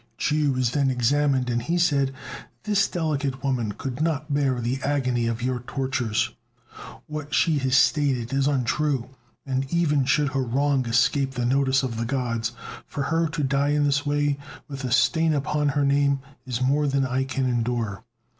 Chu was then examined, and he said, "This delicate woman could not bear the agony of your tortures; what she has stated is untrue; and, even should her wrong escape the notice of the Gods, for her to die in this way with a stain upon her name is more than I can endure.